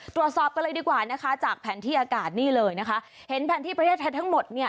ตรวจสอบกันเลยดีกว่านะคะจากแผนที่อากาศนี่เลยนะคะเห็นแผนที่ประเทศไทยทั้งหมดเนี่ย